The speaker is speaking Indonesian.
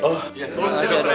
oh ya terima kasih dokter